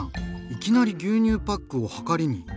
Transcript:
いきなり牛乳パックをはかりに。